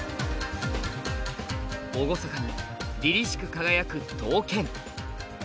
厳かに凜々しく輝く刀剣。